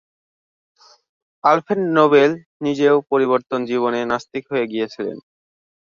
Alfred Nobel নিজেও পরবর্তী জীবনে নাস্তিক হয়ে গিয়েছিলেন।